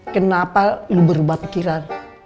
kenapa lo berubah pikiran